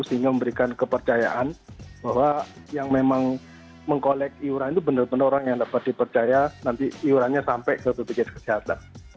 sehingga memberikan kepercayaan bahwa yang memang mengkolek iuran itu benar benar orang yang dapat dipercaya nanti iurannya sampai ke bpjs kesehatan